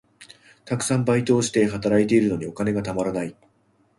たくさんバイトをして、働いているのにお金がたまらない。